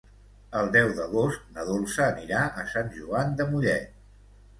El deu d'agost na Dolça anirà a Sant Joan de Mollet.